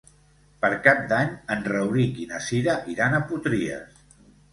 Per Cap d'Any en Rauric i na Cira iran a Potries.